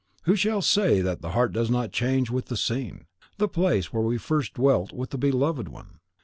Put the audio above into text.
Who shall say that the heart does not change with the scene, the place where we first dwelt with the beloved one?